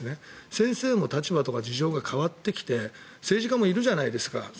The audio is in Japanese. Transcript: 先生も立場とか事情が変わってきて政治家もいるじゃないですか。